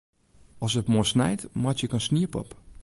As it moarn snijt, meitsje ik in sniepop.